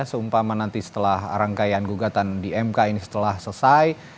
seumpama nanti setelah rangkaian gugatan di mk ini setelah selesai